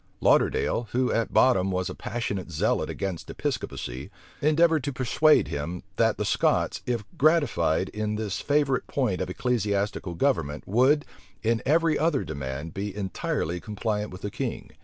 Lauderdale, who at bottom was a passionate zealot against Episcopacy, endeavored to persuade him, that the Scots, if gratified in this favorite point of ecclesiastical government, would, in every other demand, be entirely compliant with the king.